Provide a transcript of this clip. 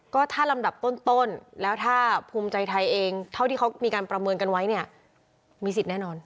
ก็ถ้าลำดับต้นแล้วถ้าภูมิใจไทยเองเท่าที่เขามีการประเมินกันไว้เนี่ยมีสิทธิ์แน่นอน